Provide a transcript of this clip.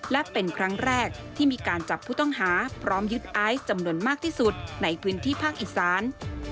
และเป็นครั้งแรกที่มีการจับผู้ต้องหาพร้อมยึดไอซ์จำนวนมากที่สุดในพื้นที่ภาคอีสาน